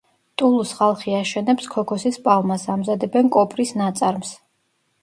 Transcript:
ტულუს ხალხი აშენებს ქოქოსის პალმას, ამზადებენ კოპრის ნაწარმს.